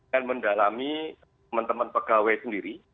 dan mendalami teman teman pegawai sendiri